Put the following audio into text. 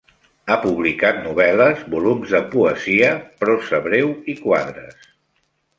Ha publicat novel·les, volums de poesia, prosa breu i quadres.